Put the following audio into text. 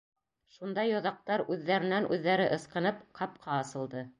Шунда йоҙаҡтар үҙҙәренән-үҙҙәре ысҡынып, ҡапҡа асылды.